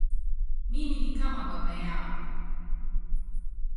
Mimi ni kama baba yao.